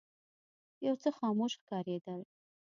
یو څه خاموش ښکارېدل.